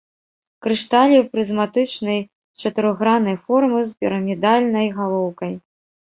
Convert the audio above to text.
Крышталі прызматычнай чатырохграннай формы з пірамідальнай галоўкай.